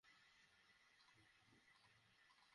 আরে একজন আরেকজনের দিকে কী দেখছিস?